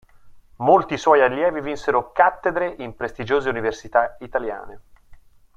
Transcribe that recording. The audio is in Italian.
Molti suoi allievi vinsero cattedre in prestigiose università italiane.